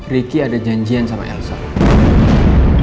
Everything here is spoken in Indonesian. ricky ada janjian sama elsa